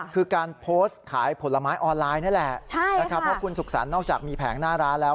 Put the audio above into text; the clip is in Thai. คือการโพสต์ขายผลไม้ออนไลน์นี่แหละใช่นะครับเพราะคุณสุขสรรค์นอกจากมีแผงหน้าร้านแล้ว